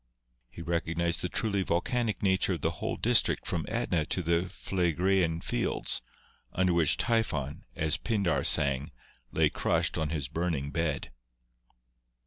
He recognised the truly volcanic nature of the whole district from Etna to the Phlegraean Fields, under which Typhon, as Pindar sang, lay crushed on his burning bed.